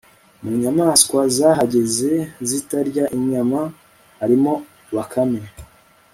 mu nyamaswa zahageze zitarya inyama harimo bakame